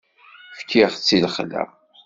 Fkiɣ-tt i lexla.